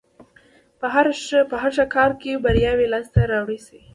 په هر ښه کار کې برياوې لاس ته راوړلای شي.